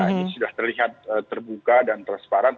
ini sudah terlihat terbuka dan transparan